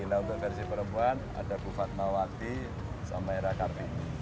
nah untuk versi perempuan ada bu fatmawati sama era kartini